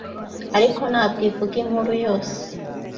Ariko ntabwo ivuga inkuru yose